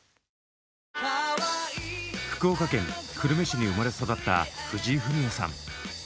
福岡県久留米市に生まれ育った藤井フミヤさん。